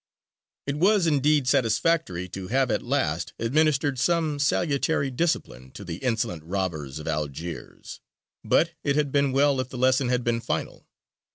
It was, indeed, satisfactory to have at last administered some salutary discipline to the insolent robbers of Algiers; but it had been well if the lesson had been final.